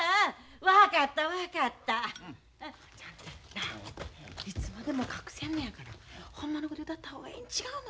なあいつまでも隠せんねやからほんまのこと言うたった方がええん違うの？